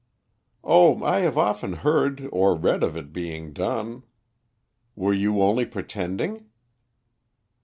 "Oh, I have often heard or read of it being done. Were you only pretending?"